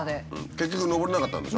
結局上れなかったんでしょ？